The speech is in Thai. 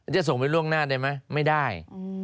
จะส่งไปล่วงหน้าได้ไหมไม่ได้